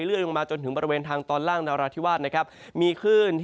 ประวันนี้ทางตอนล่างนาราธิวาตน์